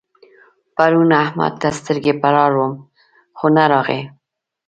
پرون احمد ته سترګې پر لار وم خو نه راغی.